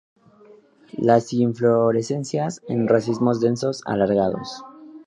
Las inflorescencias en racimos densos, alargados.